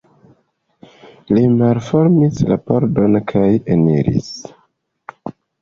Li malfermis la pordon kaj eniris.